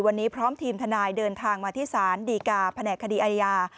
วันนี้พร้อมทีมทนายเดินทางมาที่ศาลดีกาแผนกคดีอาญา